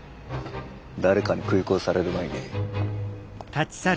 誰かに食い殺される前に。